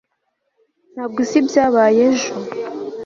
ntabwo uzi ibyabaye ejo